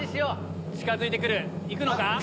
近づいて来る行くのか？